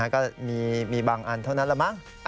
ก็มีบางอันเท่านั้นแหละมั้ง